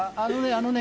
あのね